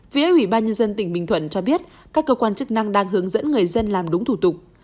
phía ủy ban nhân dân tỉnh bình thuận cho biết các cơ quan chức năng đang hướng dẫn người dân làm đúng thủ tục